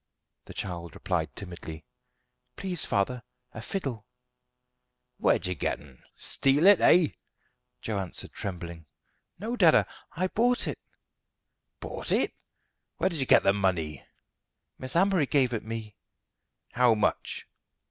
The child replied timidly: "Please, father, a fiddle." "Where did you get 'un steal it, eh?" Joe answered, trembling: "No, dada, I bought it." "Bought it! Where did you get the money?" "Miss Amory gave it me." "How much?"